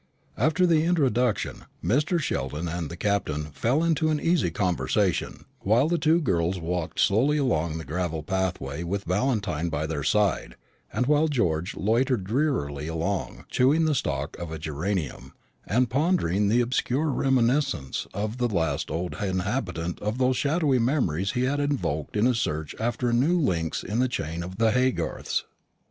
After the introduction Mr. Sheldon and the Captain fell into an easy conversation, while the two girls walked slowly along the gravel pathway with Valentine by their side, and while George loitered drearily along, chewing the stalk of a geranium, and pondering the obscure reminiscences of the last oldest inhabitant whose shadowy memories he had evoked in his search after new links in the chain of the Haygarths.